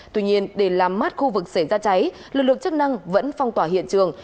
tuy nhiên để làm mát khu vực xảy ra cháy lực lượng chức năng vẫn phong tỏa hiện trường